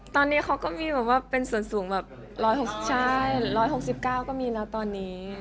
ตอนนี้เขาก็มีเป็นส่วนสูง๑๖๙ก็มีแล้วตอนนี้